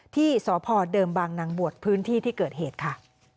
ที่สพเดิมบางนางบวชพื้นที่ที่เกิดเหตุค่ะ